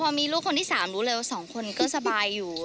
พอมีลูกคนที่๓รู้เลยว่า๒คนก็สบายอยู่